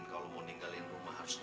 jangan panggil aku juminten